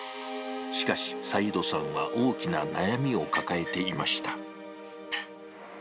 しかし、サイードさんは大きな悩みを抱えていました。